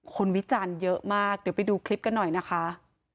วิจารณ์เยอะมากเดี๋ยวไปดูคลิปกันหน่อยนะคะ